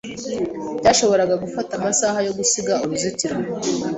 Byashoboraga gufata amasaha yo gusiga uruzitiro.